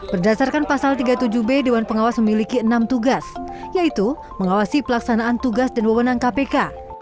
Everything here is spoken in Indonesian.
berdasarkan pasal tiga puluh tujuh b dewan pengawas memiliki enam tugas yaitu mengawasi pelaksanaan tugas dan wewenang kpk